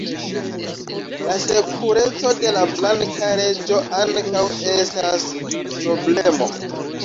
La sekureco de la blanka reĝo ankaŭ estas problemo.